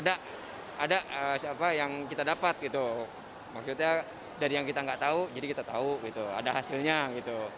ada siapa yang kita dapat gitu maksudnya dari yang kita nggak tahu jadi kita tahu gitu ada hasilnya gitu